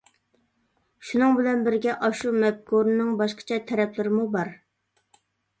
شۇنىڭ بىلەن بىرگە، ئاشۇ مەپكۇرىنىڭ باشقىچە تەرەپلىرىمۇ بار.